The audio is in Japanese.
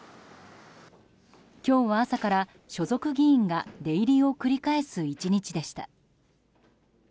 今日は朝から所属議員が出入りを繰り返す１日でした。